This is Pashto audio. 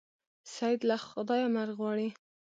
سید له خدایه مرګ غواړي.